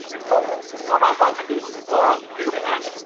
On raconte des histoires.